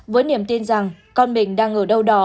với niềm tin rằng con mình đang ở đâu đó